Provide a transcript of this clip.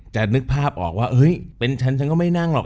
นึกภาพออกว่าเฮ้ยเป็นฉันฉันก็ไม่นั่งหรอก